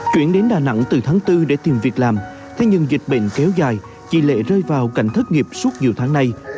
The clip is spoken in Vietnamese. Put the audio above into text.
chuyển đến đà nẵng từ tháng bốn để tìm việc làm thế nhưng dịch bệnh kéo dài chị lệ rơi vào cảnh thất nghiệp suốt nhiều tháng nay